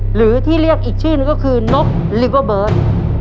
หรือที่เรียกอีกชื่อนึงก็คือนกลิเวอร์เบิร์ต